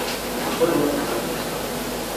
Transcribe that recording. Виходила саме в місто.